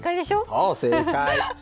そう正解。